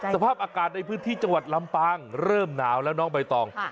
สภาพอากาศในพื้นที่จังหวัดลำปางเริ่มหนาวแล้วน้องใบตอง